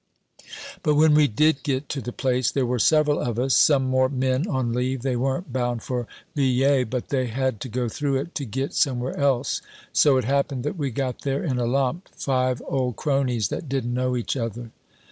"But when we did get to the place, there were several of us some more men on leave they weren't bound for Villers, but they had to go through it to get somewhere else. So it happened that we got there in a lump five old cronies that didn't know each other.